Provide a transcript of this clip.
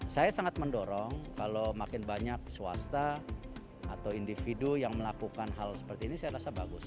saya sangat mendorong kalau makin banyak swasta atau individu yang melakukan hal seperti ini saya rasa bagus